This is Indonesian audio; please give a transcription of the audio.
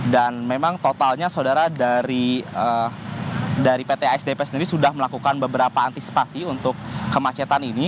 dan memang totalnya saudara dari pt asdp sendiri sudah melakukan beberapa antisipasi untuk kemacetan ini